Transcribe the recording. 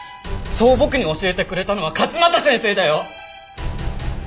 そう僕に教えてくれたのは勝又先生だよ！